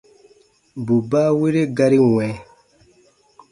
Bù baawere gari wɛ̃.